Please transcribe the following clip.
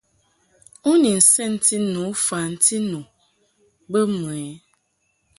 U ni nsɛnti tu fanti nu bə mɨ ɛ ?